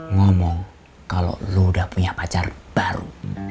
ngomong kalau lo udah punya pacar baru